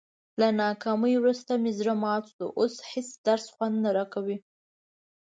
له ناکامۍ ورسته مې زړه مات شو، اوس هېڅ درس خوند نه راکوي.